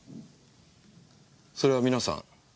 それは皆さん